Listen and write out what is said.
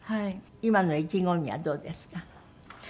今の意気込みはどうですか？